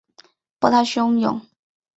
波涛汹涌